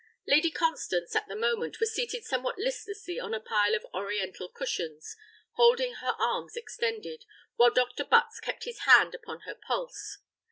Lady Constance, at the moment, was seated somewhat listlessly on a pile of oriental cushions, holding her arms extended, while Dr. Butts kept his hand upon her pulse.